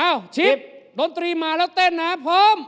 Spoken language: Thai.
เอ้าชิบบลงตรีมาแล้วเต้นน่ะพร้อม